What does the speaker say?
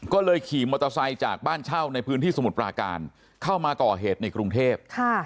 ก็เลยขี่มอเตอร์ไซค์จากบ้านเช่าในพื้นที่สมุทรปราการเข้ามาก่อเหตุในกรุงเทพ